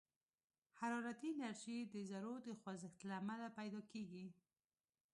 حرارتي انرژي د ذرّو د خوځښت له امله پيدا کېږي.